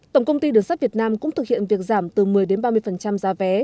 tổng công ty đường sắt việt nam cũng thực hiện việc giảm từ một mươi ba mươi giá vé